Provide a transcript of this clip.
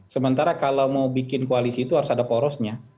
sementara kalau mau bikin koalisi itu harus ada porosnya